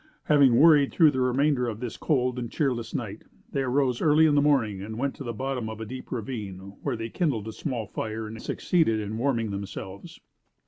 Having worried through the remainder of this cold and cheerless night, they arose early in the morning and went to the bottom of a deep ravine where they kindled a small fire and succeeded in warming themselves.